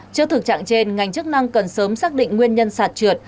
trước thực trạng trên ngành chức năng cần sớm xác định nguyên nhân sạt trượt